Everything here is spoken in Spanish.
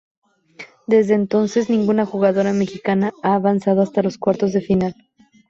Desde entonces ninguna jugadora mexicana ha avanzado hasta cuartos de final.